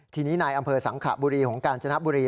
ทีนี้นายอำเภอสังขบุรีของกาญจนบุรี